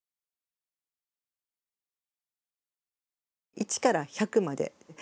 １から１００まで。